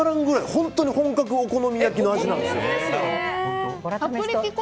本当に本格お好み焼きの味なんですよ。